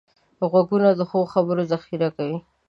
غوږونه د ښو خبرو ذخیره کوي